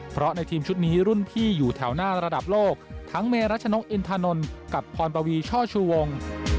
เพราะในทีมชุดนี้รุ่นพี่อยู่แถวหน้าระดับโลกทั้งเมรัชนกอินทานนท์กับพรปวีช่อชูวง